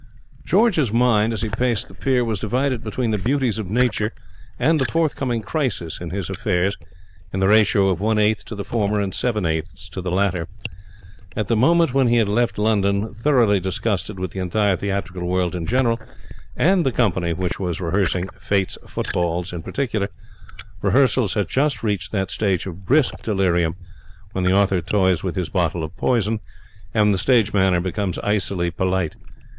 George's mind, as he paced the pier, was divided between the beauties of Nature and the forthcoming crisis in his affairs in the ratio of one eighth to the former and seven eighths to the latter. At the moment when he had left London, thoroughly disgusted with the entire theatrical world in general and the company which was rehearsing Fate's Footballs in particular, rehearsals had just reached that stage of brisk delirium when the author toys with his bottle of poison and the stage manager becomes icily polite.